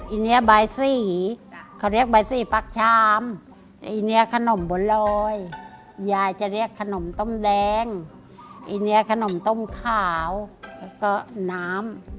ไอเนี้ยใบสี่เค้าเรียกใบสี่ปากชามไอเนี้ยขนมบ่เลยยายจะเรียกขนมต้มแดงไอเนี้ยขนมต้มขาวแล้วก็น้้ำ